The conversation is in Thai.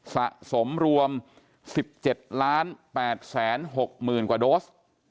สะสมรวม๑๗๘๖๐๐๐กว่าโดส